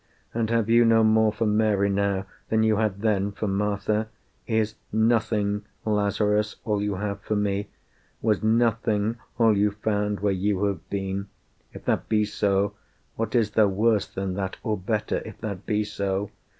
And have you no more For Mary now than you had then for Martha? Is Nothing, Lazarus, all you have for me? Was Nothing all you found where you have been? If that be so, what is there worse than that Or better if that be so?